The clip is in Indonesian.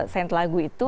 send lagu itu